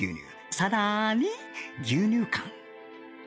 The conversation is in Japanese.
さらに牛乳かん